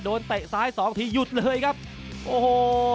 เตะซ้ายสองทีหยุดเลยครับโอ้โห